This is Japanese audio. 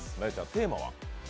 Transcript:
テーマは？